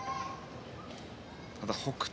ただ北勝